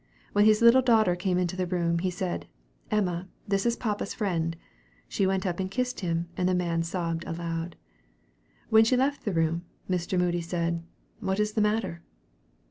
When his little daughter came into the room, he said, "Emma, this is papa's friend." She went up and kissed him, and the man sobbed aloud. When she left the room, Mr. Moody said, "What is the matter?"